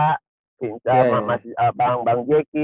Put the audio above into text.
vincent sama bang zeki